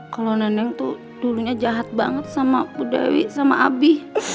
kalau nenek tuh dulunya jahat banget sama bu dewi sama abi